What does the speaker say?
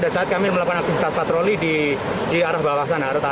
semakin kesini itu semakin banyak